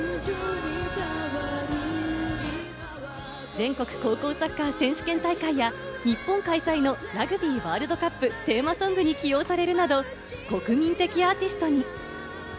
全国高校サッカー選手権大会や日本開催のラグビーワールドカップテーマソングに起用されるなど、国民的アーティストに。